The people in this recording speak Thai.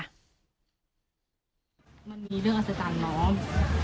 มันมีเรื่องอัศจรรย์น้อง